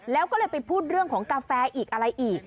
แล้วก็เลยไปพูดเรื่องของกาแฟอีกอะไรอีก